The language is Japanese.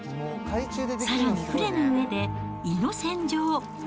さらに、船の上で胃の洗浄。